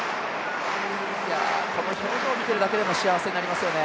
この表情を見てるだけでも幸せになりますよね。